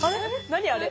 何あれ？